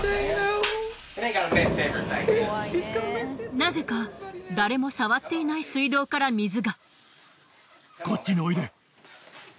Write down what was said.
なぜか誰も触っていない水道から水が。